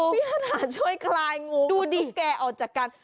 พี่สถานช่วยคลายงูดูตุ๊กแก่ออกจากกัน